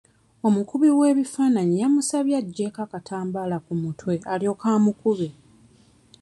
Omukubi w'ebifaananyi yamusabye agyeko akatambaala ku mutwe alyoke amukube.